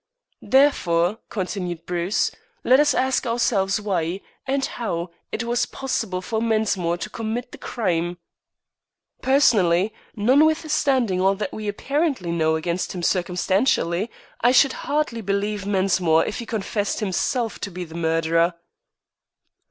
"Therefore," continued Bruce, "let us ask ourselves why, and how, it was possible for Mensmore to commit the crime. Personally, notwithstanding all that we apparently know against him circumstantially, I should hardly believe Mensmore if he confessed himself to be the murderer!"